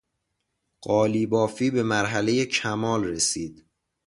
قالیبافی به مرحلهی کمال رسید.